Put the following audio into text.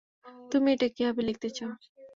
তুমি এটা কীভাবে লিখতে চাও?